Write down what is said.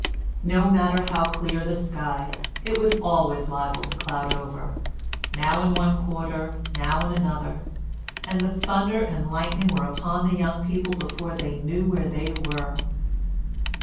No matter how clear the sky, it was always liable to cloud over now in one quarter now in another, and the thunder and lightning were upon the young people before they knew where they were.